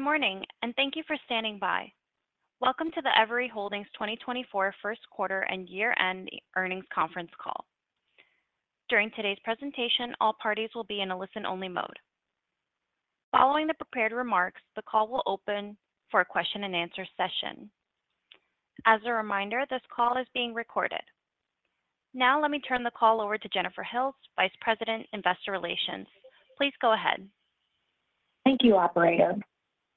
Good morning, and thank you for standing by. Welcome to the Everi Holdings 2024 First Quarter and year-end earnings conference call. During today's presentation, all parties will be in a listen-only mode. Following the prepared remarks, the call will open for a question-and-answer session. As a reminder, this call is being recorded. Now let me turn the call over to Jennifer Hills, Vice President, Investor Relations. Please go ahead. Thank you, operator.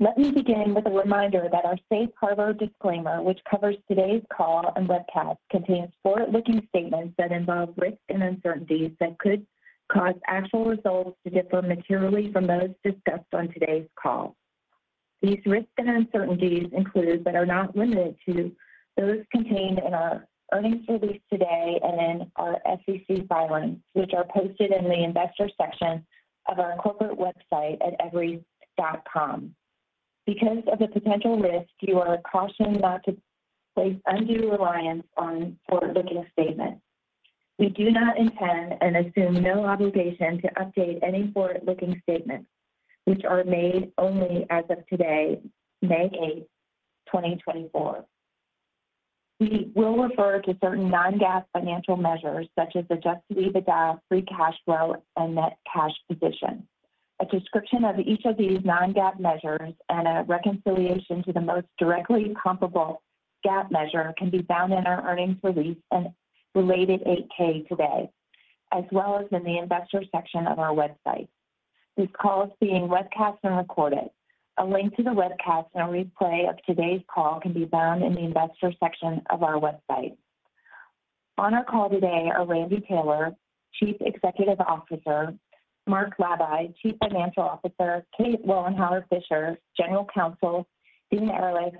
Let me begin with a reminder that our safe harbor disclaimer, which covers today's call and webcast, contains forward-looking statements that involve risks and uncertainties that could cause actual results to differ materially from those discussed on today's call. These risks and uncertainties include, but are not limited to, those contained in our earnings release today and in our SEC filings, which are posted in the investor section of our corporate website at everi.com. Because of the potential risks, you are cautioned not to place undue reliance on forward-looking statements. We do not intend and assume no obligation to update any forward-looking statements, which are made only as of today, May 8, 2024. We will refer to certain non-GAAP financial measures, such as adjusted EBITDA, free cash flow, and net cash position. A description of each of these non-GAAP measures and a reconciliation to the most directly comparable GAAP measure can be found in our earnings release and related 8-K today, as well as in the investor section of our website. This call is being webcast and recorded. A link to the webcast and a replay of today's call can be found in the investor section of our website. On our call today are Randy Taylor, Chief Executive Officer, Mark Labay, Chief Financial Officer, Kate Lowenhar-Fisher, General Counsel, Dean Ehrlich,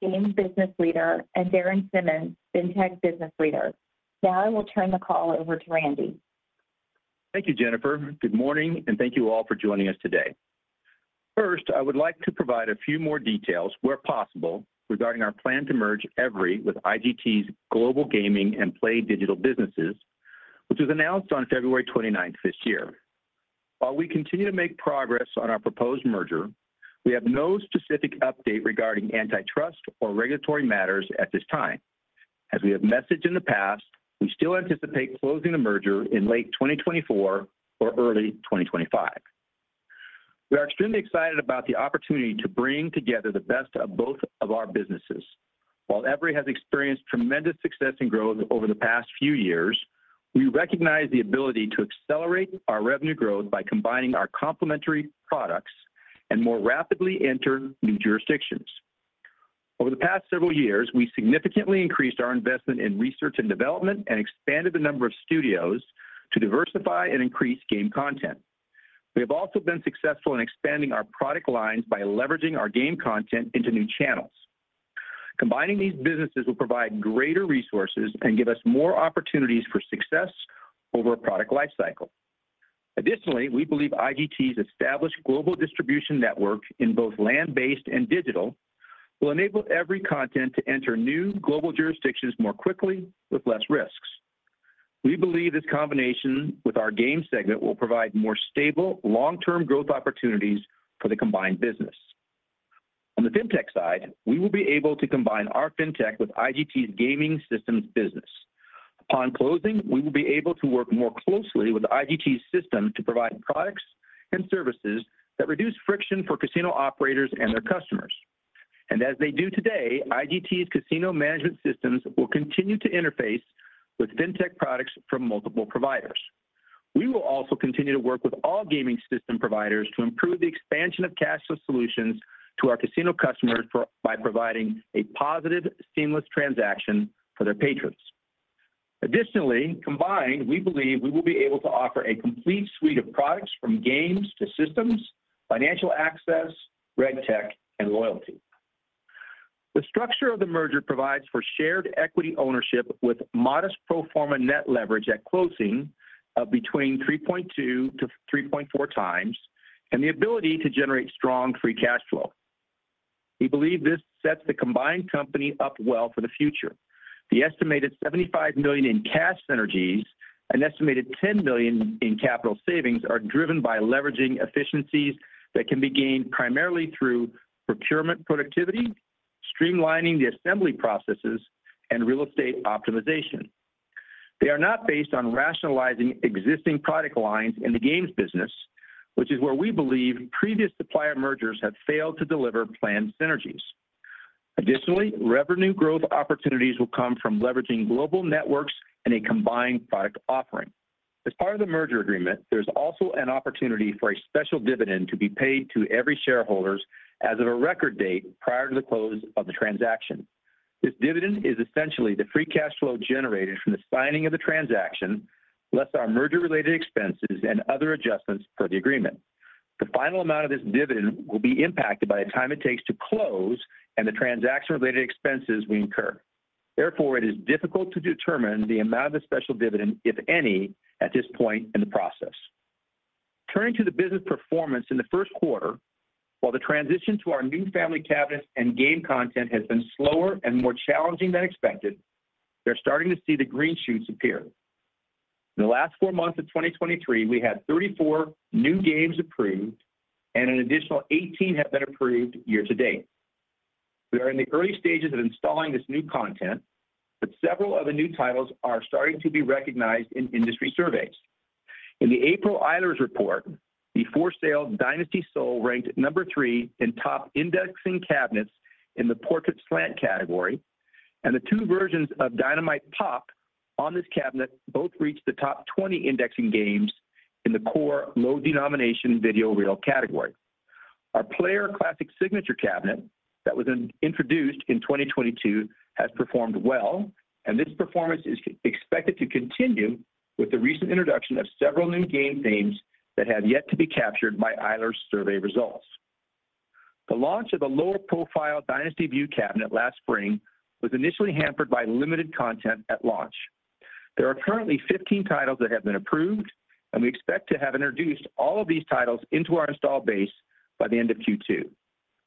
Games Business Leader, and Darren Simmons, FinTech Business Leader. Now I will turn the call over to Randy. Thank you, Jennifer. Good morning, and thank you all for joining us today. First, I would like to provide a few more details, where possible, regarding our plan to merge Everi with IGT's Global Gaming and PlayDigital businesses, which was announced on February 29th this year. While we continue to make progress on our proposed merger, we have no specific update regarding antitrust or regulatory matters at this time. As we have messaged in the past, we still anticipate closing the merger in late 2024 or early 2025. We are extremely excited about the opportunity to bring together the best of both of our businesses. While Everi has experienced tremendous success and growth over the past few years, we recognize the ability to accelerate our revenue growth by combining our complementary products and more rapidly enter new jurisdictions. Over the past several years, we significantly increased our investment in research and development and expanded the number of studios to diversify and increase game content. We have also been successful in expanding our product lines by leveraging our game content into new channels. Combining these businesses will provide greater resources and give us more opportunities for success over a product lifecycle. Additionally, we believe IGT's established global distribution network in both land-based and digital will enable Everi content to enter new global jurisdictions more quickly with less risks. We believe this combination with our game segment will provide more stable, long-term growth opportunities for the combined business. On the FinTech side, we will be able to combine our FinTech with IGT's gaming systems business. Upon closing, we will be able to work more closely with IGT's system to provide products and services that reduce friction for casino operators and their customers. As they do today, IGT's casino management systems will continue to interface with FinTech products from multiple providers. We will also continue to work with all gaming system providers to improve the expansion of cashless solutions to our casino customers by providing a positive, seamless transaction for their patrons. Additionally, combined, we believe we will be able to offer a complete suite of products from games to systems, financial access, RegTech, and loyalty. The structure of the merger provides for shared equity ownership with modest pro forma net leverage at closing of between 3.2-3.4 times, and the ability to generate strong free cash flow. We believe this sets the combined company up well for the future. The estimated $75 million in cash synergies, an estimated $10 million in capital savings, are driven by leveraging efficiencies that can be gained primarily through procurement productivity, streamlining the assembly processes, and real estate optimization. They are not based on rationalizing existing product lines in the games business, which is where we believe previous supplier mergers have failed to deliver planned synergies. Additionally, revenue growth opportunities will come from leveraging global networks and a combined product offering. As part of the merger agreement, there's also an opportunity for a special dividend to be paid to Everi shareholders as of a record date prior to the close of the transaction. This dividend is essentially the free cash flow generated from the signing of the transaction, less our merger-related expenses and other adjustments per the agreement. The final amount of this dividend will be impacted by the time it takes to close and the transaction-related expenses we incur. Therefore, it is difficult to determine the amount of the special dividend, if any, at this point in the process. Turning to the business performance in the first quarter, while the transition to our new family cabinets and game content has been slower and more challenging than expected, we're starting to see the green shoots appear... In the last four months of 2023, we had 34 new games approved, and an additional 18 have been approved year to date. We are in the early stages of installing this new content, but several of the new titles are starting to be recognized in industry surveys. In the April Eilers report, the for sale DynastySol ranked number 3 in top indexing cabinets in the portrait slant category, and the two versions of Dynamite Pop on this cabinet both reached the top 20 indexing games in the core low-denomination video reel category. Our player classic signature cabinet that was introduced in 2022 has performed well, and this performance is expected to continue with the recent introduction of several new game themes that have yet to be captured by Eilers survey results. The launch of a lower profile Dynasty Vue cabinet last spring was initially hampered by limited content at launch. There are currently 15 titles that have been approved, and we expect to have introduced all of these titles into our install base by the end of Q2.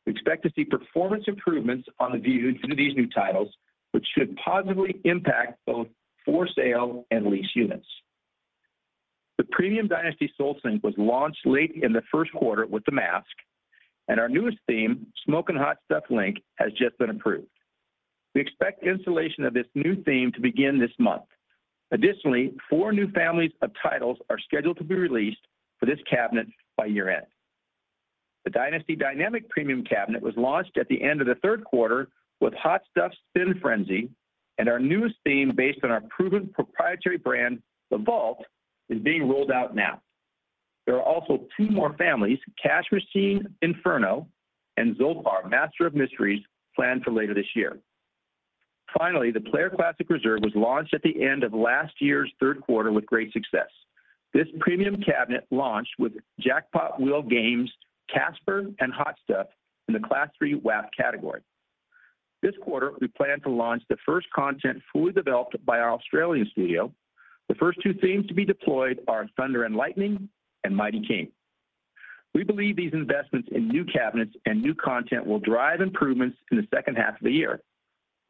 We expect to see performance improvements on the Vue due to these new titles, which should positively impact both for sale and lease units. The premium Dynasty Sol sync was launched late in the first quarter with The Mask, and our newest theme, Smokin' Hot Stuff Link, has just been approved. We expect installation of this new theme to begin this month. Additionally, four new families of titles are scheduled to be released for this cabinet by year-end. The Dynasty Dynamic Premium cabinet was launched at the end of the third quarter with Hot Stuff Spin Frenzy, and our newest theme, based on our proven proprietary brand, The Vault, is being rolled out now. There are also two more families, Cash Machine Inferno and Zoltar, Master of Mysteries, planned for later this year. Finally, the Player Classic Reserve was launched at the end of last year's third quarter with great success. This premium cabinet launched with jackpot wheel games, Casper and Hot Stuff in the Class III WAP category. This quarter, we plan to launch the first content fully developed by our Australian studio. The first two themes to be deployed are Thunder and Lightning and Mighty King. We believe these investments in new cabinets and new content will drive improvements in the second half of the year.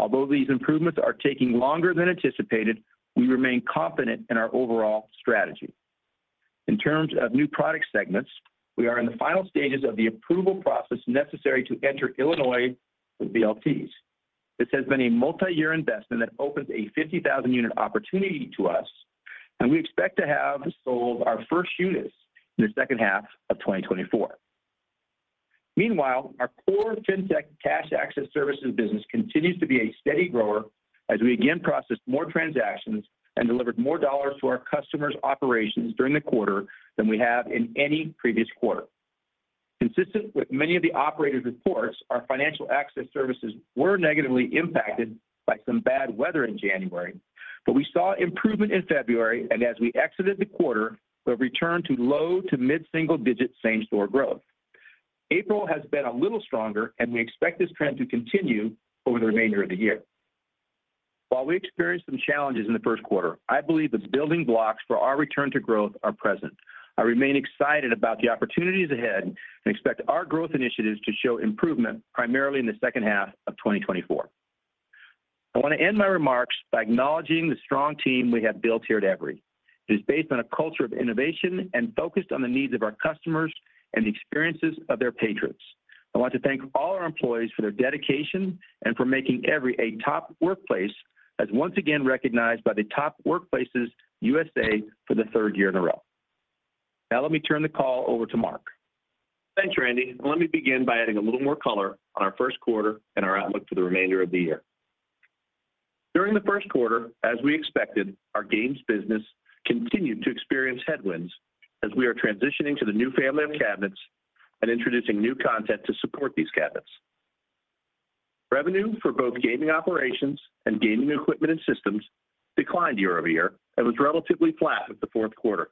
Although these improvements are taking longer than anticipated, we remain confident in our overall strategy. In terms of new product segments, we are in the final stages of the approval process necessary to enter Illinois with VLTs. This has been a multi-year investment that opens a 50,000-unit opportunity to us, and we expect to have sold our first units in the second half of 2024. Meanwhile, our core Fintech cash access services business continues to be a steady grower as we again processed more transactions and delivered more dollars to our customers' operations during the quarter than we have in any previous quarter. Consistent with many of the operators' reports, our financial access services were negatively impacted by some bad weather in January, but we saw improvement in February, and as we exited the quarter, we returned to low- to mid-single-digit same-store growth. April has been a little stronger, and we expect this trend to continue over the remainder of the year. While we experienced some challenges in the first quarter, I believe the building blocks for our return to growth are present. I remain excited about the opportunities ahead and expect our growth initiatives to show improvement primarily in the second half of 2024. I want to end my remarks by acknowledging the strong team we have built here at Everi. It is based on a culture of innovation and focused on the needs of our customers and the experiences of their patrons. I want to thank all our employees for their dedication and for making Everi a top workplace, as once again recognized by the Top Workplaces USA for the third year in a row. Now, let me turn the call over to Mark. Thanks, Randy. Let me begin by adding a little more color on our first quarter and our outlook for the remainder of the year. During the first quarter, as we expected, our games business continued to experience headwinds as we are transitioning to the new family of cabinets and introducing new content to support these cabinets. Revenue for both gaming operations and gaming equipment and systems declined year-over-year and was relatively flat at the fourth quarter.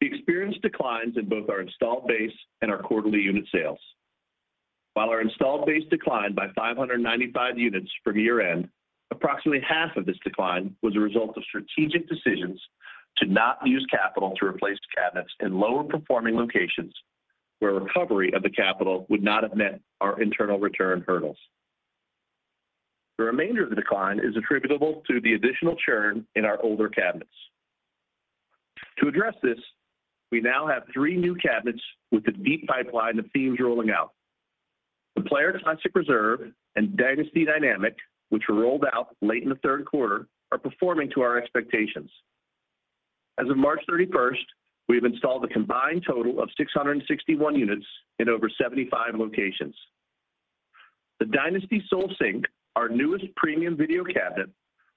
We experienced declines in both our installed base and our quarterly unit sales. While our installed base declined by 595 units from year-end, approximately half of this decline was a result of strategic decisions to not use capital to replace the cabinets in lower performing locations, where recovery of the capital would not have met our internal return hurdles. The remainder of the decline is attributable to the additional churn in our older cabinets. To address this, we now have 3 new cabinets with a deep pipeline of themes rolling out. The Player Classic Reserve and Dynasty Dynamic, which were rolled out late in the third quarter, are performing to our expectations. As of March thirty-first, we've installed a combined total of 661 units in over 75 locations. The Dynasty Sol Sync, our newest premium video cabinet,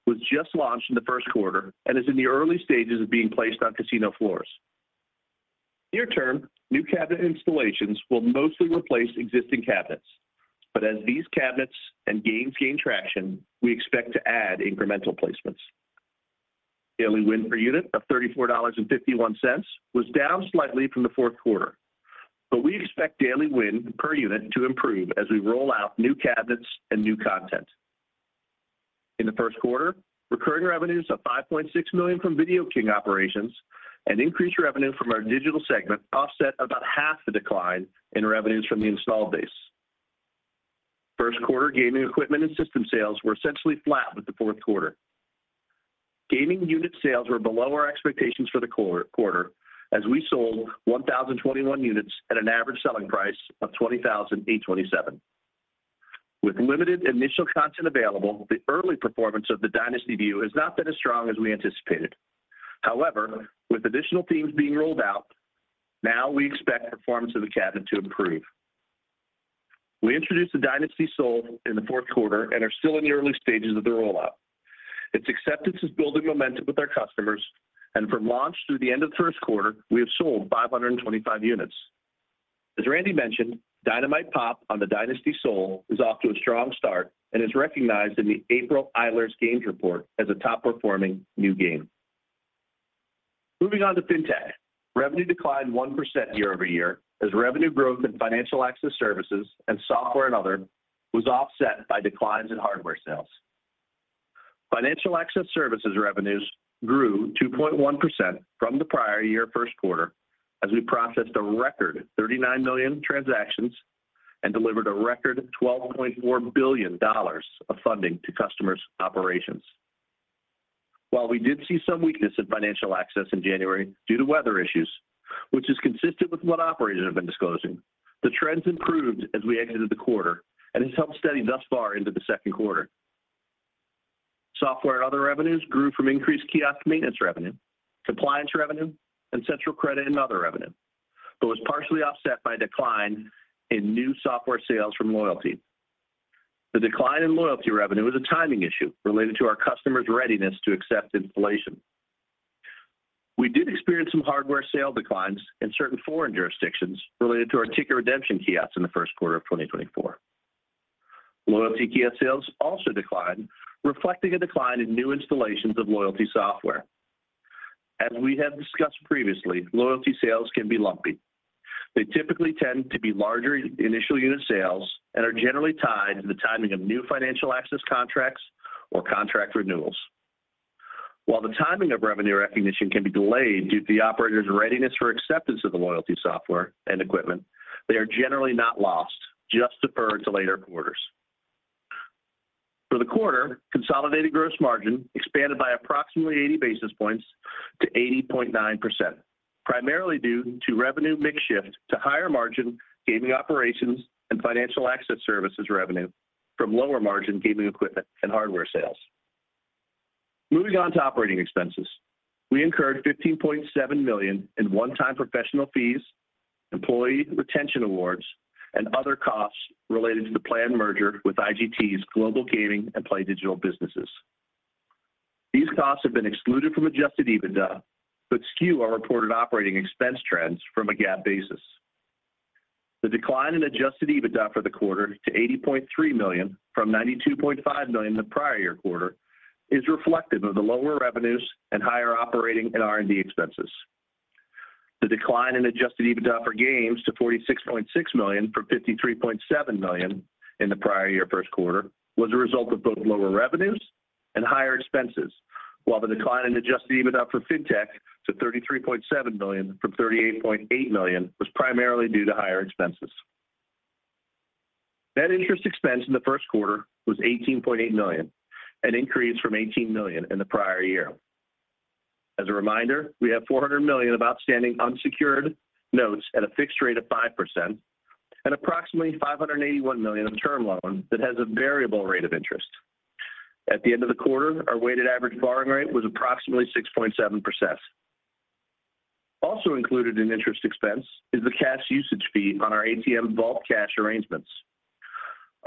was just launched in the first quarter and is in the early stages of being placed on casino floors. Near term, new cabinet installations will mostly replace existing cabinets, but as these cabinets and games gain traction, we expect to add incremental placements. Daily win per unit of $34.51 was down slightly from the fourth quarter, but we expect daily win per unit to improve as we roll out new cabinets and new content. In the first quarter, recurring revenues of $5.6 million from Video King operations and increased revenue from our digital segment offset about half the decline in revenues from the installed base. First quarter gaming equipment and system sales were essentially flat with the fourth quarter. Gaming unit sales were below our expectations for the quarter, as we sold 1,021 units at an average selling price of $20,827. With limited initial content available, the early performance of the Dynasty Vue as not been as strong as we anticipated. However, with additional themes being rolled out, now we expect performance of the cabinet to improve. We introduced the Dynasty Sol in the fourth quarter and are still in the early stages of the rollout. Its acceptance is building momentum with our customers, and from launch through the end of the first quarter, we have sold 525 units. As Randy mentioned, Dynamite Pop on the Dynasty Sol is off to a strong start and is recognized in the April Eilers Games Report as a top-performing new game. Moving on to FinTech. Revenue declined 1% year-over-year, as revenue growth in financial access services and software and other was offset by declines in hardware sales. Financial access services revenues grew 2.1% from the prior year first quarter, as we processed a record 39 million transactions and delivered a record $12.4 billion of funding to customers' operations. While we did see some weakness in financial access in January due to weather issues, which is consistent with what operators have been disclosing, the trends improved as we exited the quarter and has held steady thus far into the second quarter. Software and other revenues grew from increased kiosk maintenance revenue, compliance revenue, and Central Credit and other revenue, but was partially offset by a decline in new software sales from loyalty. The decline in loyalty revenue was a timing issue related to our customers' readiness to accept installation. We did experience some hardware sale declines in certain foreign jurisdictions related to our ticket redemption kiosks in the first quarter of 2024. Loyalty kiosk sales also declined, reflecting a decline in new installations of loyalty software. As we have discussed previously, loyalty sales can be lumpy. They typically tend to be larger initial unit sales and are generally tied to the timing of new financial access contracts or contract renewals. While the timing of revenue recognition can be delayed due to the operator's readiness for acceptance of the loyalty software and equipment, they are generally not lost, just deferred to later quarters. For the quarter, consolidated gross margin expanded by approximately 80 basis points to 80.9%, primarily due to revenue mix shift to higher margin gaming operations and financial access services revenue from lower margin gaming equipment and hardware sales. Moving on to operating expenses. We incurred $15.7 million in one-time professional fees, employee retention awards, and other costs related to the planned merger with IGT's Global Gaming and PlayDigital businesses. These costs have been excluded from adjusted EBITDA, but skew our reported operating expense trends from a GAAP basis. The decline in adjusted EBITDA for the quarter to $80.3 million from $92.5 million in the prior year quarter, is reflective of the lower revenues and higher operating and R&D expenses. The decline in adjusted EBITDA for games to $46.6 million from $53.7 million in the prior year first quarter, was a result of both lower revenues and higher expenses, while the decline in adjusted EBITDA for Fintech to $33.7 million from $38.8 million was primarily due to higher expenses. Net interest expense in the first quarter was $18.8 million, an increase from $18 million in the prior year. As a reminder, we have $400 million of outstanding unsecured notes at a fixed rate of 5% and approximately $581 million of term loans that has a variable rate of interest. At the end of the quarter, our weighted average borrowing rate was approximately 6.7%. Also included in interest expense is the cash usage fee on our ATM vault cash arrangements.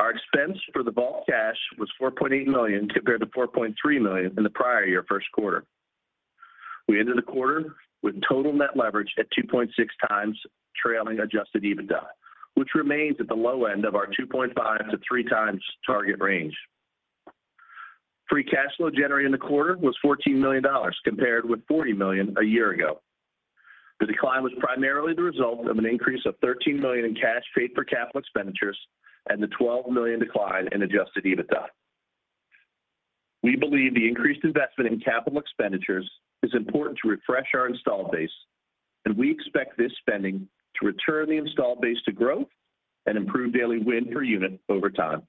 Our expense for the vault cash was $4.8 million, compared to $4.3 million in the prior year first quarter. We ended the quarter with total net leverage at 2.6x trailing adjusted EBITDA, which remains at the low end of our 2.5x-3x target range. Free cash flow generated in the quarter was $14 million, compared with $40 million a year ago. The decline was primarily the result of an increase of $13 million in cash paid for capital expenditures and the $12 million decline in adjusted EBITDA. We believe the increased investment in capital expenditures is important to refresh our installed base, and we expect this spending to return the installed base to growth and improve daily win per unit over time.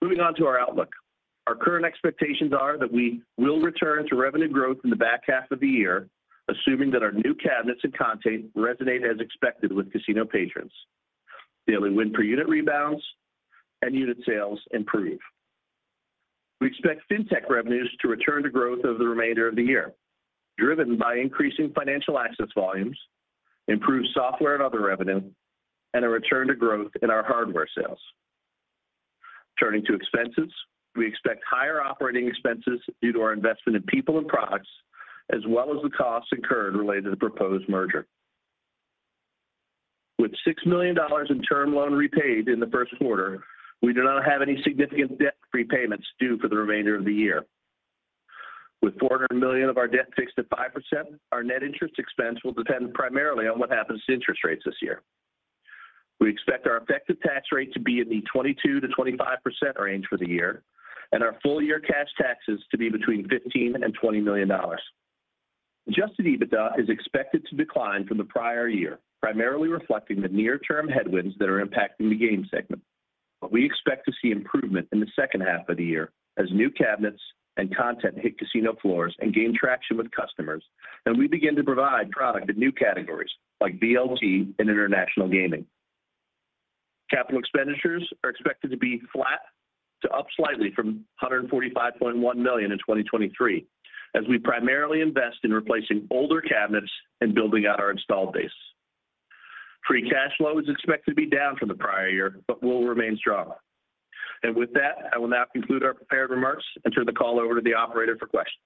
Moving on to our outlook. Our current expectations are that we will return to revenue growth in the back half of the year, assuming that our new cabinets and content resonate as expected with casino patrons. Daily win per unit rebounds and unit sales improve. We expect FinTech revenues to return to growth over the remainder of the year, driven by increasing financial access volumes, improved software and other revenue, and a return to growth in our hardware sales. Turning to expenses, we expect higher operating expenses due to our investment in people and products, as well as the costs incurred related to the proposed merger. With $6 million in term loan repaid in the first quarter, we do not have any significant debt repayments due for the remainder of the year. With $400 million of our debt fixed at 5%, our net interest expense will depend primarily on what happens to interest rates this year. We expect our effective tax rate to be in the 22%-25% range for the year, and our full-year cash taxes to be between $15 million and $20 million. Adjusted EBITDA is expected to decline from the prior year, primarily reflecting the near-term headwinds that are impacting the game segment. But we expect to see improvement in the second half of the year as new cabinets and content hit casino floors and gain traction with customers, and we begin to provide product in new categories like VLT and international gaming. Capital expenditures are expected to be flat to up slightly from $145.1 million in 2023, as we primarily invest in replacing older cabinets and building out our installed base. Free cash flow is expected to be down from the prior year, but will remain strong. With that, I will now conclude our prepared remarks and turn the call over to the operator for questions.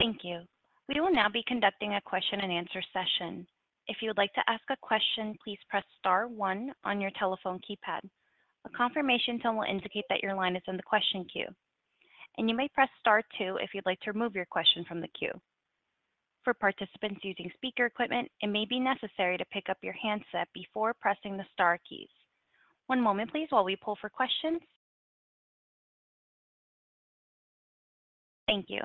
Thank you. We will now be conducting a question-and-answer session. If you would like to ask a question, please press star one on your telephone keypad. A confirmation tone will indicate that your line is in the question queue, and you may press star two if you'd like to remove your question from the queue. For participants using speaker equipment, it may be necessary to pick up your handset before pressing the star keys. One moment, please, while we pull for questions. Thank you.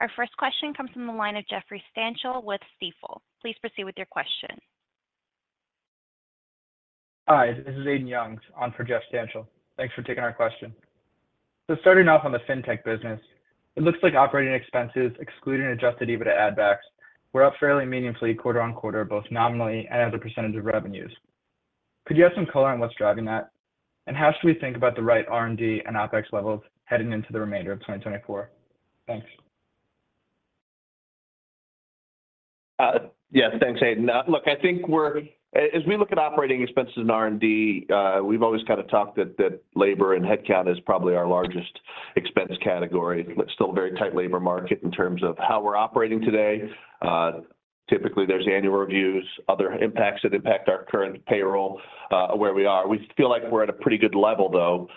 Our first question comes from the line of Jeffrey Stantial with Stifel. Please proceed with your question. Hi, this is Aidan Youngs on for Jeff Stantial. Thanks for taking our question. So starting off on the FinTech business, it looks like operating expenses, excluding adjusted EBITDA add backs, were up fairly meaningfully quarter on quarter, both nominally and as a percentage of revenues. Could you have some color on what's driving that? And how should we think about the right R&D and OpEx levels heading into the remainder of 2024? Thanks. Yeah, thanks, Aidan. Look, I think we're as we look at operating expenses in R&D, we've always kind of talked that, that labor and headcount is probably our largest expense category. It's still a very tight labor market in terms of how we're operating today. Typically, there's annual reviews, other impacts that impact our current payroll, where we are. We feel like we're at a pretty good level, though.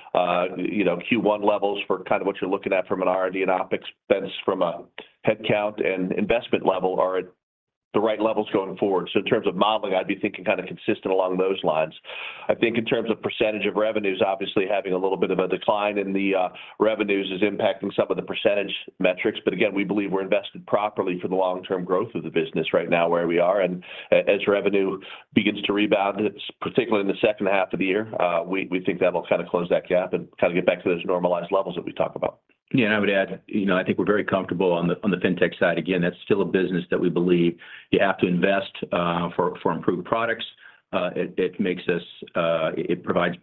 You know, Q1 levels for kind of what you're looking at from an R&D and OpEx expense from a headcount and investment level are at the right levels going forward. So in terms of modeling, I'd be thinking kind of consistent along those lines. I think in terms of percentage of revenues, obviously, having a little bit of a decline in the revenues is impacting some of the percentage metrics. But again, we believe we're invested properly for the long-term growth of the business right now where we are. As revenue begins to rebound, it's particularly in the second half of the year, we think that will kind of close that gap and kind of get back to those normalized levels that we talked about. Yeah, and I would add, you know, I think we're very comfortable on the FinTech side. Again, that's still a business that we believe you have to invest for improved products. It makes us... It provides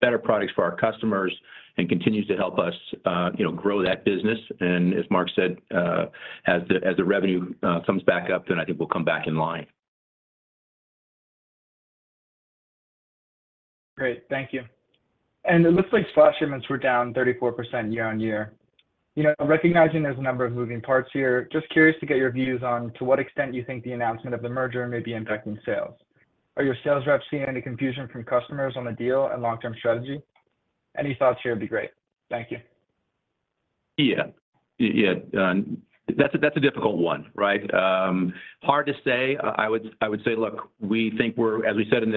better products for our customers and continues to help us, you know, grow that business. And as Mark said, as the revenue comes back up, then I think we'll come back in line. Great. Thank you. It looks like slot shipments were down 34% year-on-year. You know, recognizing there's a number of moving parts here, just curious to get your views on to what extent you think the announcement of the merger may be impacting sales. Are your sales reps seeing any confusion from customers on the deal and long-term strategy? Any thoughts here would be great. Thank you. Yeah. Yeah, that's a difficult one, right? Hard to say. I would say, look, we think we're, as we said in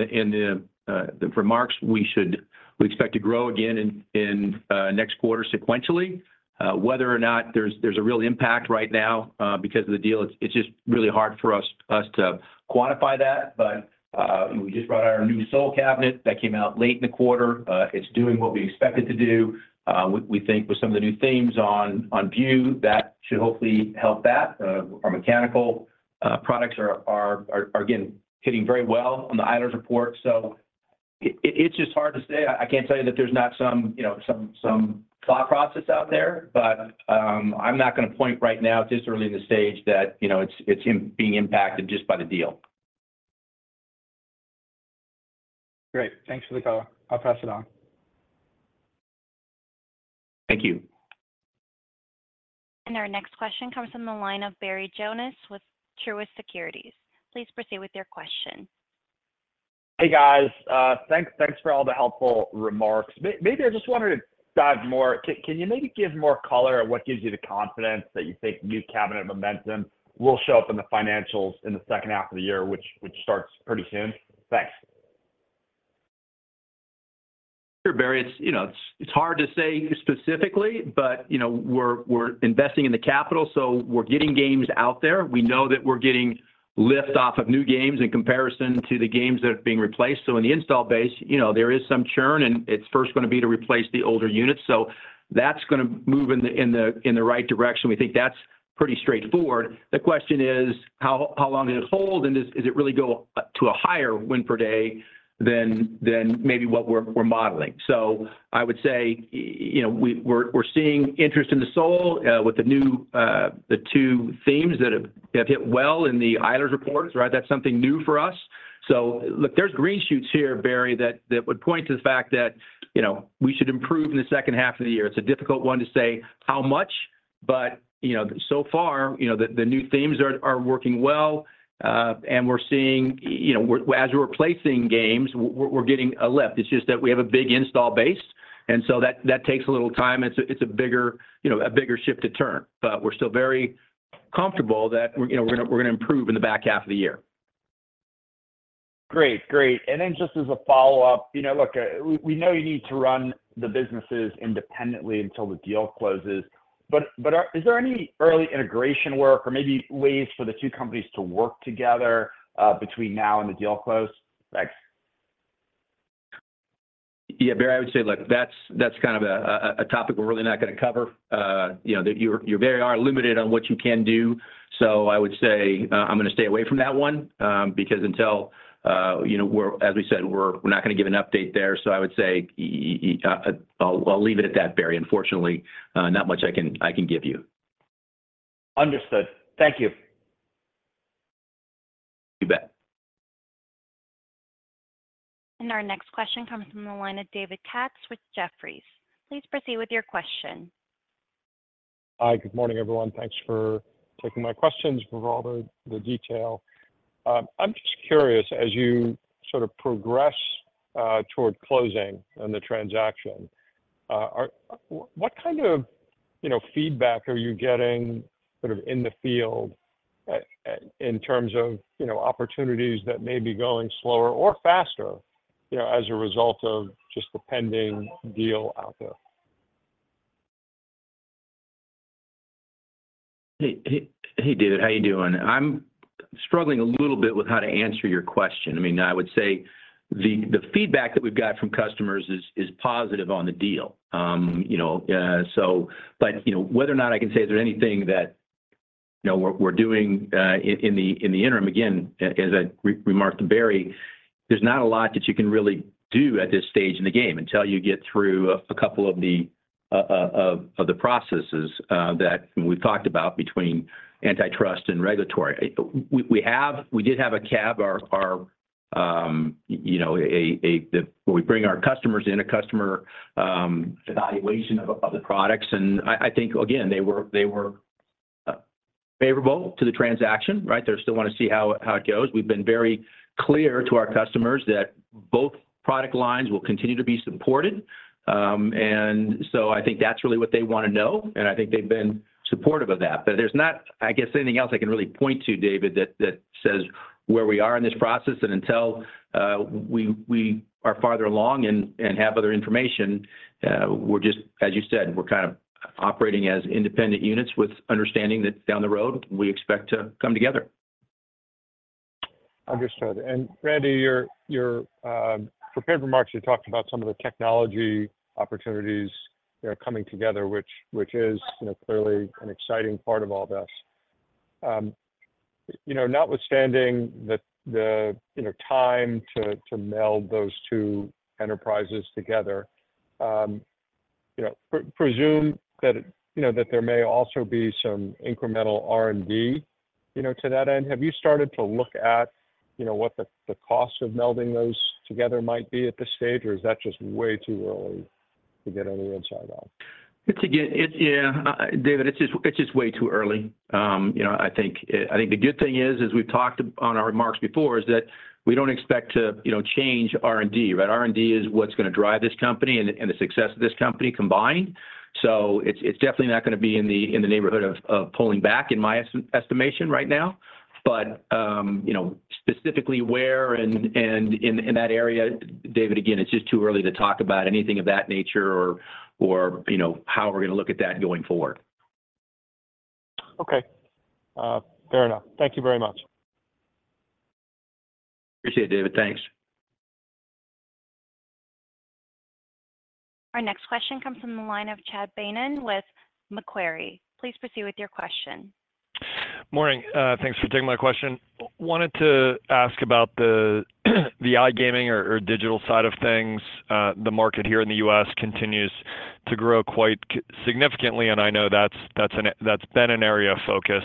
the remarks, we should, we expect to grow again in next quarter sequentially. Whether or not there's a real impact right now because of the deal, it's just really hard for us to quantify that. But we just brought our new Sol cabinet that came out late in the quarter. It's doing what we expected to do. We think with some of the new themes on Vue, that should hopefully help that. Our mechanical products are again hitting very well on the Eilers report, so it's just hard to say. I can't tell you that there's not some, you know, some thought process out there, but, I'm not going to point right now, this early in the stage that, you know, it's immediately being impacted just by the deal. Great. Thanks for the call. I'll pass it on. Thank you. Our next question comes from the line of Barry Jonas with Truist Securities. Please proceed with your question. Hey, guys. Thanks, thanks for all the helpful remarks. Maybe I just wanted to dive more... Can you maybe give more color on what gives you the confidence that you think new cabinet momentum will show up in the financials in the second half of the year, which starts pretty soon? Thanks. Sure, Barry. It's, you know, it's hard to say specifically, but, you know, we're investing in the capital, so we're getting games out there. We know that we're getting lift off of new games in comparison to the games that are being replaced. So in the install base, you know, there is some churn, and it's first going to be to replace the older units. So that's gonna move in the right direction. We think that's pretty straightforward. The question is, how long does it hold? And does it really go to a higher win per day than maybe what we're modeling? So I would say, you know, we're seeing interest in the slots with the new the two themes that have hit well in the Eilers reports, right? That's something new for us. So look, there's green shoots here, Barry, that would point to the fact that, you know, we should improve in the second half of the year. It's a difficult one to say how much, but, you know, so far, you know, the new themes are working well. And we're seeing, you know, we're, as we're replacing games, we're getting a lift. It's just that we have a big install base, and so that takes a little time. It's a, it's a bigger, you know, a bigger ship to turn. But we're still very comfortable that, you know, we're gonna, we're gonna improve in the back half of the year.... Great, great. And then just as a follow-up, you know, look, we know you need to run the businesses independently until the deal closes, but is there any early integration work or maybe ways for the two companies to work together, between now and the deal close? Thanks. Yeah, Barry, I would say, look, that's kind of a topic we're really not gonna cover, you know, that you're very limited on what you can do. So I would say, I'm gonna stay away from that one, because, you know, as we said, we're not gonna give an update there, so I would say, I'll leave it at that, Barry. Unfortunately, not much I can give you. Understood. Thank you. You bet. Our next question comes from the line of David Katz with Jefferies. Please proceed with your question. Hi, good morning, everyone. Thanks for taking my questions, for all the, the detail. I'm just curious, as you sort of progress toward closing on the transaction, what kind of, you know, feedback are you getting sort of in the field, in terms of, you know, opportunities that may be going slower or faster, you know, as a result of just the pending deal out there? Hey, hey, hey, David, how you doing? I'm struggling a little bit with how to answer your question. I mean, I would say the feedback that we've got from customers is positive on the deal. You know, but you know, whether or not I can say, is there anything that you know, we're doing in the interim, again, as I remarked to Barry, there's not a lot that you can really do at this stage in the game until you get through a couple of the processes that we've talked about between antitrust and regulatory. We did have a CAB, our you know, a the... We bring our customers in, a customer evaluation of the products, and I think, again, they were favorable to the transaction, right? They still want to see how it goes. We've been very clear to our customers that both product lines will continue to be supported. And so I think that's really what they want to know, and I think they've been supportive of that. But there's not, I guess, anything else I can really point to, David, that says where we are in this process. And until we are farther along and have other information, we're just, as you said, we're kind of operating as independent units with understanding that down the road we expect to come together. Understood. And Randy, your prepared remarks, you talked about some of the technology opportunities that are coming together, which is, you know, clearly an exciting part of all this. You know, notwithstanding the, you know, time to meld those two enterprises together, you know, presume that, you know, that there may also be some incremental R&D, you know, to that end, have you started to look at, you know, what the cost of melding those together might be at this stage, or is that just way too early to get any insight on? It's again, it's, yeah, David, it's just, it's just way too early. You know, I think, I think the good thing is, as we've talked on our remarks before, is that we don't expect to, you know, change R&D, right? R&D is what's gonna drive this company and the, and the success of this company combined. So it's, it's definitely not gonna be in the, in the neighborhood of, of pulling back in my estimation right now. But, you know, specifically, where and, and in, in that area, David, again, it's just too early to talk about anything of that nature or, or, you know, how we're gonna look at that going forward. Okay, fair enough. Thank you very much. Appreciate it, David. Thanks. Our next question comes from the line of Chad Beynon with Macquarie. Please proceed with your question. Morning. Thanks for taking my question. Wanted to ask about the iGaming or digital side of things. The market here in the U.S. continues to grow quite significantly, and I know that's been an area of focus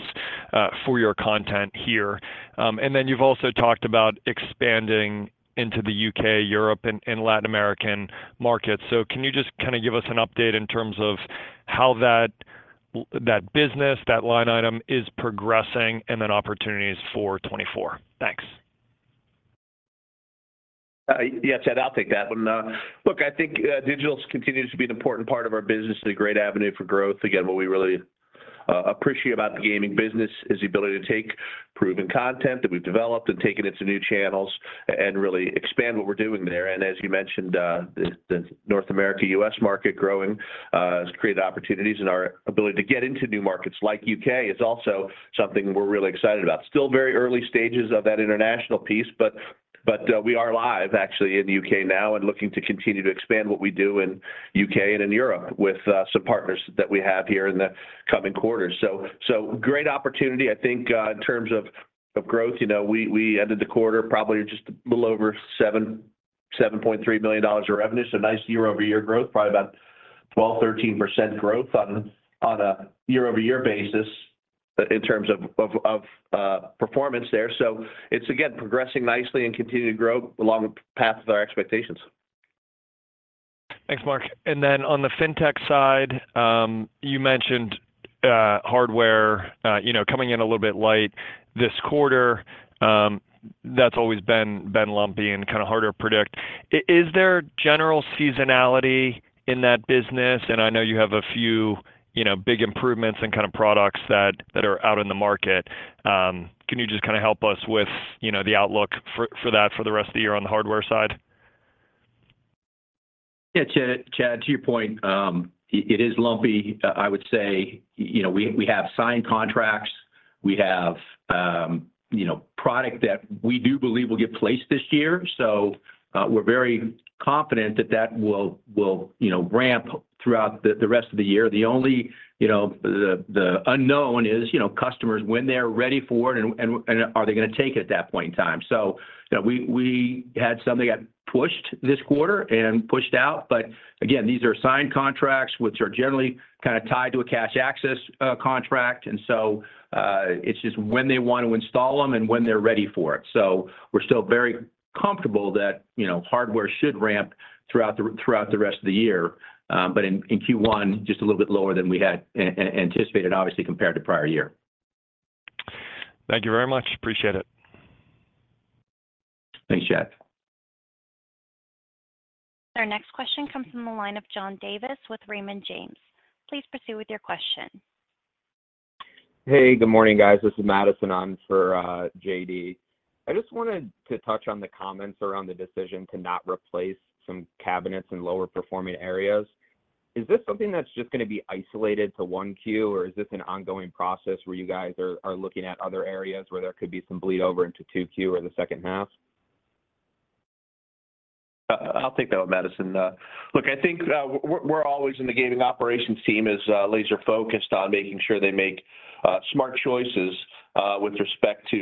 for your content here. And then you've also talked about expanding into the U.K., Europe, and Latin American markets. So can you just kind of give us an update in terms of how that business, that line item is progressing and then opportunities for 2024? Thanks. Yeah, Chad, I'll take that one. Look, I think digital continues to be an important part of our business and a great avenue for growth. Again, what we really appreciate about the gaming business is the ability to take proven content that we've developed and take it into new channels and really expand what we're doing there. And as you mentioned, the North American, U.S. market growing has created opportunities, and our ability to get into new markets like U.K. is also something we're really excited about. Still very early stages of that international piece, but we are live actually in the U.K. now and looking to continue to expand what we do in U.K. and in Europe with some partners that we have here in the coming quarters. So great opportunity. I think, in terms of, of growth, you know, we, we ended the quarter probably just a little over $7.3 million of revenue. So nice year-over-year growth, probably about 12%-13% growth on, on a year-over-year basis in terms of, of, of, performance there. So it's, again, progressing nicely and continuing to grow along the path of our expectations. Thanks, Mark. And then on the FinTech side, you mentioned hardware, you know, coming in a little bit light this quarter. That's always been lumpy and kind of harder to predict. Is there general seasonality in that business? And I know you have a few, you know, big improvements and kind of products that are out in the market. Can you just kind of help us with, you know, the outlook for that for the rest of the year on the hardware side?... Yeah, Chad, to your point, it is lumpy. I would say, you know, we have signed contracts. We have, you know, product that we do believe will get placed this year, so, we're very confident that that will, you know, ramp throughout the rest of the year. The only, you know, the unknown is, you know, customers, when they're ready for it, and are they gonna take it at that point in time? So, you know, we had some that got pushed this quarter and pushed out, but again, these are signed contracts, which are generally kind of tied to a cash access contract. And so, it's just when they want to install them and when they're ready for it. So we're still very comfortable that, you know, hardware should ramp throughout the rest of the year. But in Q1, just a little bit lower than we had anticipated, obviously, compared to prior year. Thank you very much. Appreciate it. Thanks, Chad. Our next question comes from the line of John Davis with Raymond James. Please proceed with your question. Hey, good morning, guys. This is Madison on for JD. I just wanted to touch on the comments around the decision to not replace some cabinets in lower performing areas. Is this something that's just gonna be isolated to 1Q, or is this an ongoing process where you guys are looking at other areas where there could be some bleed over into 2Q or the second half? I'll take that one, Madison. Look, I think, we're always in the gaming operations team as laser focused on making sure they make smart choices with respect to,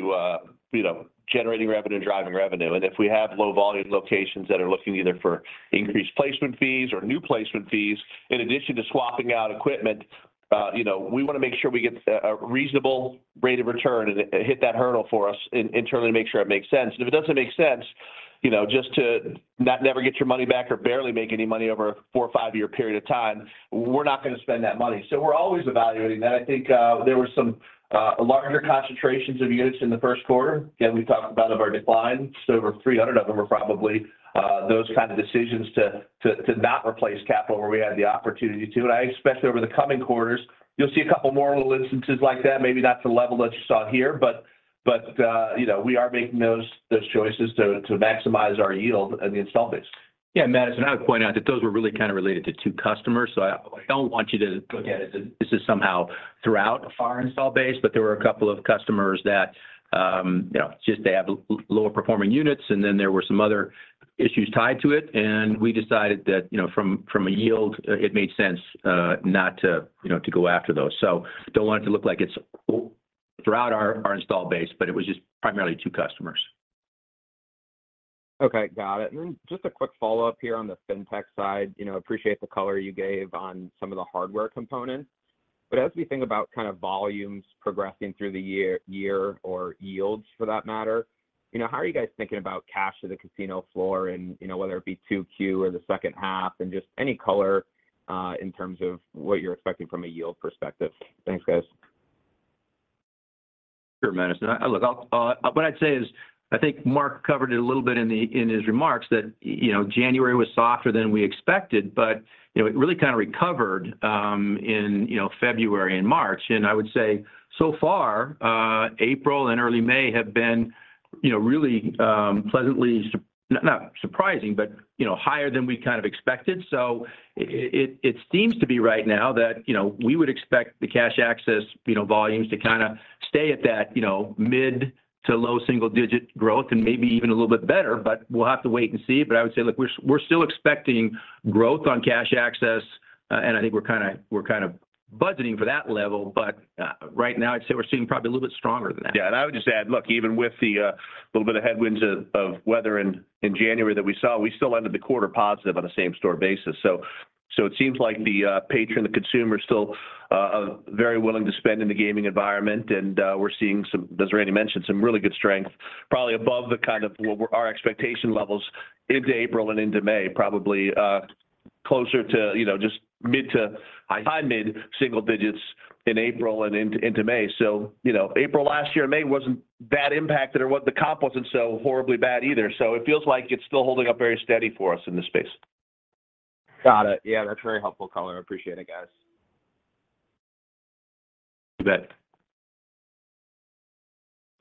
you know, generating revenue and driving revenue. And if we have low volume locations that are looking either for increased placement fees or new placement fees, in addition to swapping out equipment, you know, we wanna make sure we get a reasonable rate of return and hit that hurdle for us internally to make sure it makes sense. And if it doesn't make sense, you know, just to not never get your money back or barely make any money over a 4- or 5-year period of time, we're not gonna spend that money. So we're always evaluating that. I think there were some larger concentrations of units in the first quarter, and we talked about, of our declines, over 300 of them are probably those kind of decisions to not replace capital where we had the opportunity to. I expect over the coming quarters, you'll see a couple more little instances like that, maybe not to the level that you saw here, but you know, we are making those choices to maximize our yield and the install base. Yeah, Madison, I would point out that those were really kind of related to two customers, so I, I don't want you to look at it as this is somehow throughout our install base, but there were a couple of customers that, you know, just they have lower performing units, and then there were some other issues tied to it, and we decided that, you know, from a yield, it made sense, not to, you know, to go after those. So don't want it to look like it's throughout our install base, but it was just primarily two customers. Okay, got it. And then just a quick follow-up here on the FinTech side. You know, appreciate the color you gave on some of the hardware components. But as we think about kind of volumes progressing through the year, year or yields for that matter, you know, how are you guys thinking about cash to the casino floor and, you know, whether it be 2Q or the second half, and just any color in terms of what you're expecting from a yield perspective? Thanks, guys. Sure, Madison. Look, I'll... What I'd say is, I think Mark covered it a little bit in the, in his remarks, that, you know, January was softer than we expected, but, you know, it really kind of recovered in, you know, February and March. And I would say, so far, April and early May have been, you know, really, pleasantly not surprising, but, you know, higher than we kind of expected. So it, it seems to be right now that, you know, we would expect the cash access, you know, volumes to kind of stay at that, you know, mid to low single digit growth and maybe even a little bit better, but we'll have to wait and see. But I would say, look, we're still expecting growth on cash access, and I think we're kind of budgeting for that level, but right now, I'd say we're seeing probably a little bit stronger than that. Yeah, and I would just add, look, even with the little bit of headwinds of weather in January that we saw, we still ended the quarter positive on a same store basis. So, so it seems like the patron, the consumer, is still very willing to spend in the gaming environment, and we're seeing some, as Randy mentioned, some really good strength, probably above the kind of what were our expectation levels into April and into May, probably closer to, you know, just mid to- High... high mid single digits in April and into May. So, you know, April last year, May wasn't bad impacted or what the comp wasn't so horribly bad either. So it feels like it's still holding up very steady for us in this space. Got it. Yeah, that's a very helpful color. I appreciate it, guys. You bet.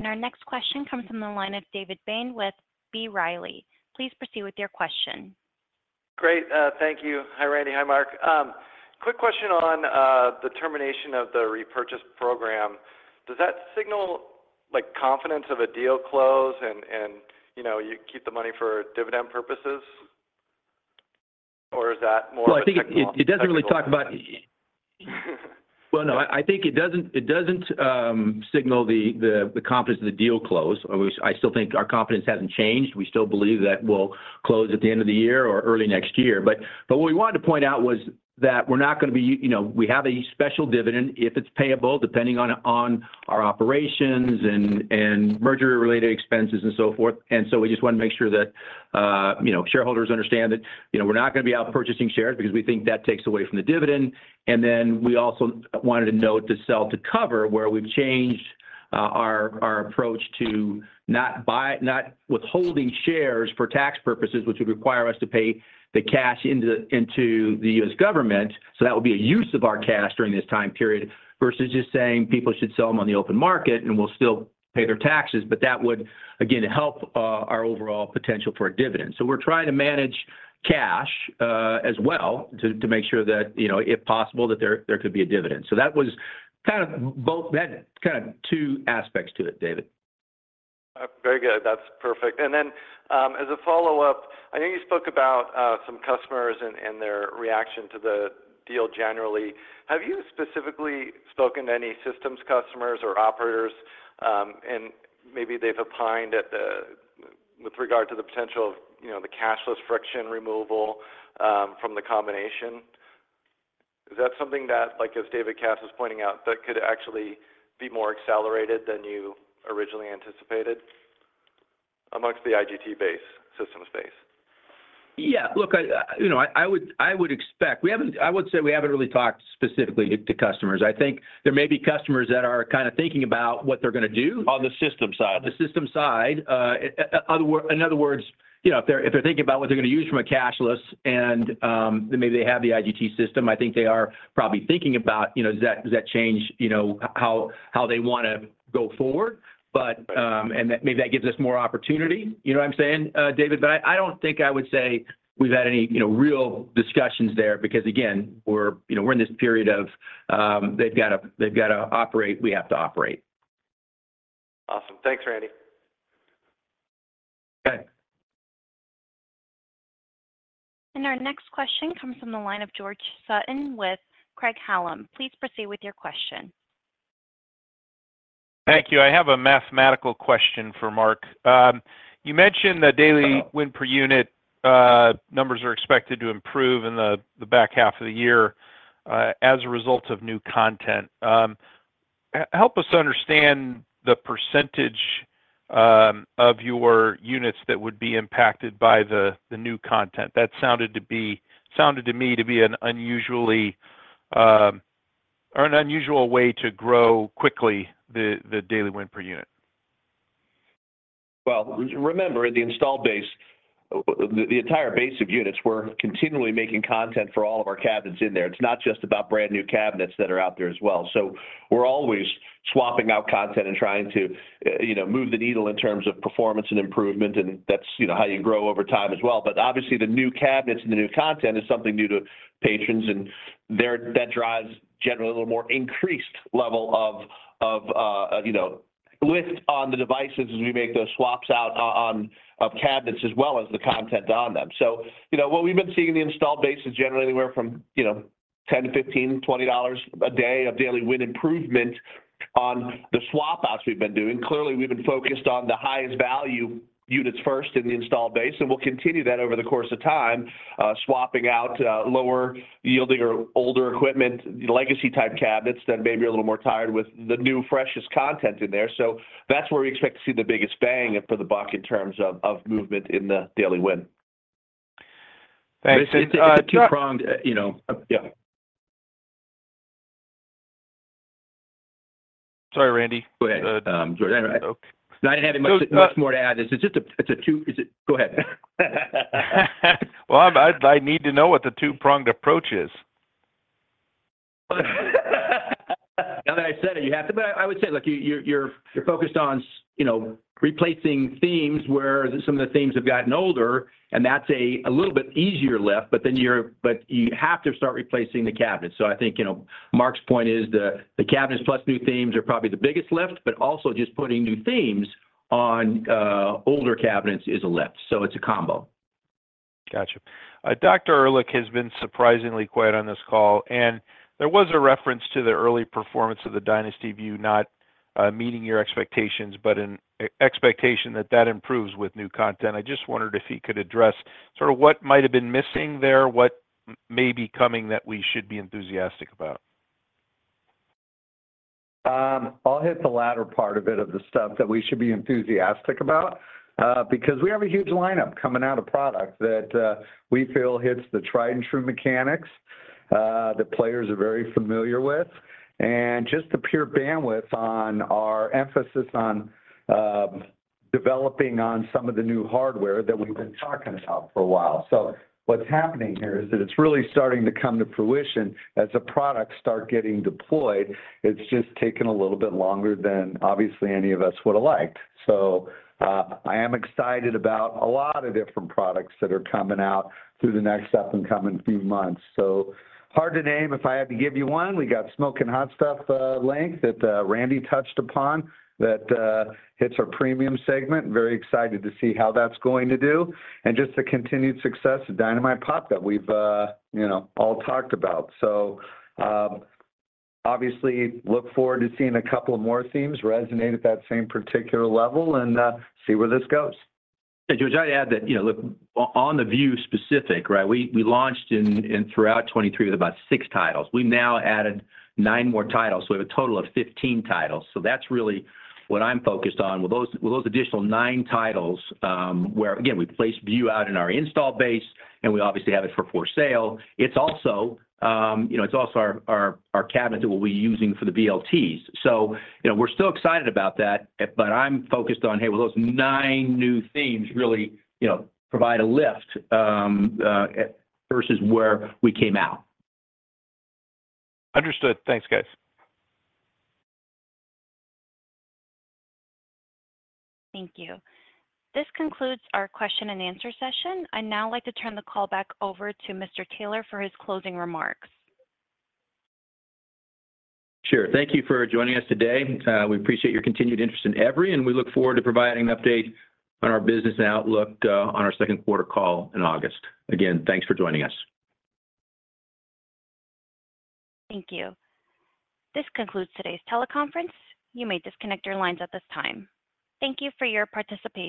Our next question comes from the line of David Bain with B. Riley. Please proceed with your question. Great. Thank you. Hi, Randy. Hi, Mark. Quick question on the termination of the repurchase program. Does that signal, like, confidence of a deal close and, you know, you keep the money for dividend purposes? Or is that more- Well, no, I think it doesn't signal the confidence of the deal close. I still think our confidence hasn't changed. We still believe that we'll close at the end of the year or early next year. But what we wanted to point out was that we're not gonna be, you know, we have a special dividend, if it's payable, depending on our operations and merger-related expenses and so forth. And so we just want to make sure that, you know, shareholders understand that, you know, we're not gonna be out purchasing shares because we think that takes away from the dividend. And then we also wanted to note the sell to cover, where we've changed our approach to not withholding shares for tax purposes, which would require us to pay the cash into the US government. So that would be a use of our cash during this time period, versus just saying people should sell them on the open market, and we'll still pay their taxes, but that would, again, help our overall potential for a dividend. So we're trying to manage cash as well, to make sure that, you know, if possible, that there could be a dividend. So that was kind of both then, kind of two aspects to it, David. Very good. That's perfect. And then, as a follow-up, I know you spoke about some customers and their reaction to the deal generally. Have you specifically spoken to any systems customers or operators, and maybe they've opined at the, with regard to the potential of, you know, the cashless friction removal, from the combination? Is that something that, like, as David Cass was pointing out, that could actually be more accelerated than you originally anticipated amongst the IGT base, systems base? Yeah, look, you know, I would expect. We haven't. I would say we haven't really talked specifically to customers. I think there may be customers that are kind of thinking about what they're gonna do- On the system side. The system side, in other words, you know, if they're thinking about what they're gonna use from a cashless and, maybe they have the IGT system, I think they are probably thinking about, you know, does that change, you know, how they wanna go forward? But, and that maybe that gives us more opportunity. You know what I'm saying, David? But I don't think I would say we've had any, you know, real discussions there, because, again, we're, you know, we're in this period of, they've gotta operate, we have to operate. Awesome. Thanks, Randy. Okay. Our next question comes from the line of George Sutton with Craig-Hallum. Please proceed with your question. Thank you. I have a mathematical question for Mark. You mentioned the daily win per unit numbers are expected to improve in the back half of the year, as a result of new content. Help us understand the percentage of your units that would be impacted by the new content. That sounded to me to be an unusually or an unusual way to grow quickly the daily win per unit. Well, remember, in the install base, the entire base of units, we're continually making content for all of our cabinets in there. It's not just about brand-new cabinets that are out there as well. So we're always swapping out content and trying to, you know, move the needle in terms of performance and improvement, and that's, you know, how you grow over time as well. But obviously, the new cabinets and the new content is something new to patrons, and that drives generally a little more increased level of, you know, lift on the devices as we make those swaps out on cabinets, as well as the content on them. So, you know, what we've been seeing in the install base is generally anywhere from, you know, $10 to $15, $20 a day of daily win improvement on the swap outs we've been doing. Clearly, we've been focused on the highest value units first in the install base, and we'll continue that over the course of time, swapping out lower-yielding or older equipment, legacy-type cabinets that may be a little more tired with the new, freshest content in there. So that's where we expect to see the biggest bang for the buck in terms of movement in the daily win. Thanks. Uh- It's a two-pronged, you know... Yeah. Sorry, Randy. Go ahead. I didn't have much more to add. It's just a... Go ahead. Well, I need to know what the two-pronged approach is. Now that I said it, you have to, but I would say, look, you're focused on, you know, replacing themes where some of the themes have gotten older, and that's a little bit easier lift, but then you have to start replacing the cabinets. So I think, you know, Mark's point is the cabinets plus new themes are probably the biggest lift, but also just putting new themes on older cabinets is a lift, so it's a combo. Gotcha. Dr. Ehrlich has been surprisingly quiet on this call, and there was a reference to the early performance of the Dynasty Vue not meeting your expectations, but an expectation that that improves with new content. I just wondered if he could address sort of what might have been missing there, what may be coming that we should be enthusiastic about. I'll hit the latter part of it, of the stuff that we should be enthusiastic about, because we have a huge lineup coming out of product that, we feel hits the tried-and-true mechanics, the players are very familiar with, and just the pure bandwidth on our emphasis on, developing on some of the new hardware that we've been talking about for a while. So what's happening here is that it's really starting to come to fruition as the products start getting deployed. It's just taken a little bit longer than, obviously, any of us would have liked. So, I am excited about a lot of different products that are coming out through the next up and coming few months. So hard to name. If I had to give you one, we got Smoking Hot Stuff Link, that Randy touched upon, that hits our premium segment. Very excited to see how that's going to do, and just the continued success of Dynamite Pop that we've, you know, all talked about. So, obviously, look forward to seeing a couple of more themes resonate at that same particular level, and see where this goes. Hey, George, I'd add that, you know, look, on the Vue specific, right? We, we launched in, in throughout 2023 with about six titles. We now added nine more titles, so we have a total of 15 titles. So that's really what I'm focused on, with those, with those additional nine titles, where, again, we placed Vue out in our install base, and we obviously have it for sale. It's also, you know, it's also our, our, our cabinet that we'll be using for the VLTs. So, you know, we're still excited about that, but I'm focused on, hey, will those nine new themes really, you know, provide a lift, versus where we came out? Understood. Thanks, guys. Thank you. This concludes our question and answer session. I'd now like to turn the call back over to Mr. Taylor for his closing remarks. Sure. Thank you for joining us today. We appreciate your continued interest in Everi, and we look forward to providing an update on our business outlook, on our second quarter call in August. Again, thanks for joining us. Thank you. This concludes today's teleconference. You may disconnect your lines at this time. Thank you for your participation.